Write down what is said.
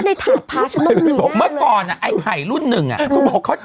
เมื่อก่อนไอ้ไข่รุ่นหนึ่งอะ